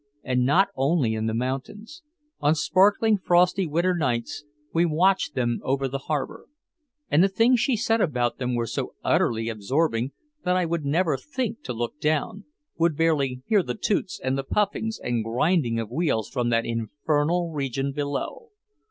And not only in the mountains. On sparkling frosty winter nights we watched them over the harbor. And the things she said about them were so utterly absorbing that I would never think to look down, would barely hear the toots and the puffings and grinding of wheels from that infernal region below.